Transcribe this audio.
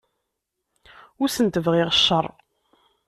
Ur asent-bɣiɣ cceṛ.